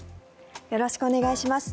よろしくお願いします。